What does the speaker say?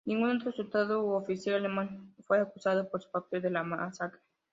Ningún otro soldado u oficial alemán fue acusado por su papel en la masacre.